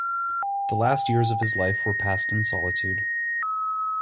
The last years of his life were passed in solitude.